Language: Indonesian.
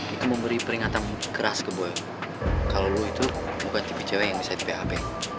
itu memberi peringatan keras keboi kalau itu bukan tipe cewek bisa tipe hp